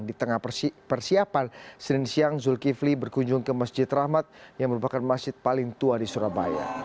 di tengah persiapan senin siang zulkifli berkunjung ke masjid rahmat yang merupakan masjid paling tua di surabaya